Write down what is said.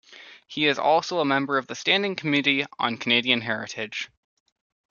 He is also a member of the Standing Committee on Canadian Heritage.